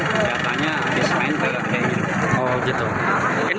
katanya bisa main tapi tidak main